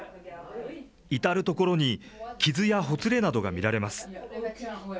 至る所に傷やほつれなどが見られます。